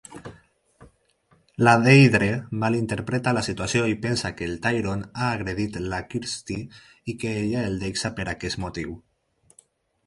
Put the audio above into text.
La Deirdre mal interpreta la situació i pensa que el Tyrone ha agredit la Kirsty i que ella el deixa per aquest motiu.